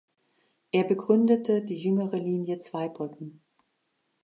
Er begründete die jüngere Linie Zweibrücken.